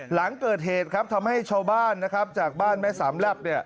หลังเกิดเหตุทำให้ชาวบ้านจากบ้านแม่สำรับ